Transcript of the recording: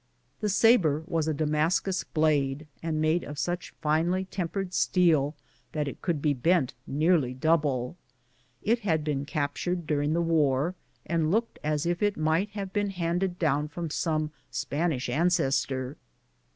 The sabre was a Damascus blade, and made of such finely tempered steel that it could be bent nearly double. It had been captured dur ing the war, and looked as if it might have been handed down from some Spanish ancestor.